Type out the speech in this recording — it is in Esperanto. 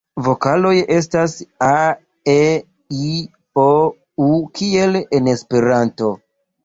Vokaloj estas: a,e,i,o,u kiel en Esperanto.